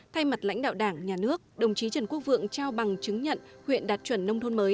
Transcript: thay mặt lãnh đạo đảng nhà nước đồng chí trần quốc vượng trao bằng chứng nhận huyện đạt chuẩn nông thôn mới